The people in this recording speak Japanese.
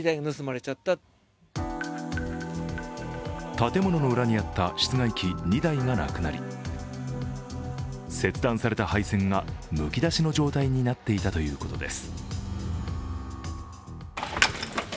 建物の裏にあった室外機２台がなくなり切断された配線がむき出しの状態になっていたということです。